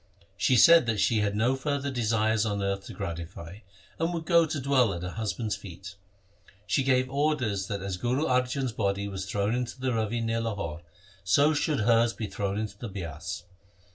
She said that she had no further desires on earth to gratify, and would go to dwell at her hus band's feet. She gave orders that as Guru Arjan's body was thrown into the Ravi near Lahore, so should hers be thrown into the Bias.